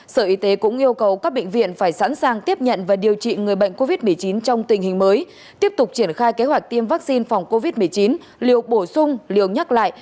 sở y tế cũng yêu cầu các bệnh viện phải sẵn sàng tiếp nhận và điều trị người bệnh covid một mươi chín trong tình hình mới tiếp tục triển khai kế hoạch tiêm vaccine phòng covid một mươi chín liều bổ sung liều nhắc lại